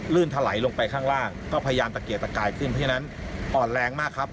ถลายลงไปข้างล่างก็พยายามตะเกียกตะกายขึ้นเพราะฉะนั้นอ่อนแรงมากครับ